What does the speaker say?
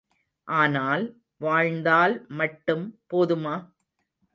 ஆனால், வாழ்ந்தால் மட்டும் போதுமா?